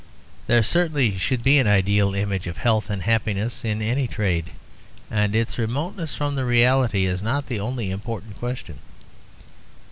There certainly should be an ideal image of health and happiness in any trade, and its remoteness from the reality is not the only important question.